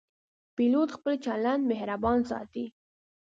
پیلوټ خپل چلند مهربان ساتي.